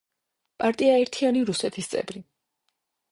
პარტია „ერთიანი რუსეთის“ წევრი.